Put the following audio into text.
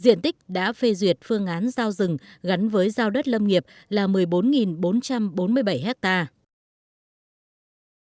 diện tích đã phê duyệt phương án giao rừng gắn với giao đất lâm nghiệp là một mươi bốn bốn trăm bốn mươi bảy hectare